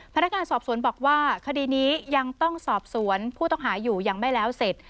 พนักงานสอบสวนบอกว่าคดีนี้ยังต้องสอบสวนผู้ต้องหาอยู่ยังไม่แล้วเสร็จ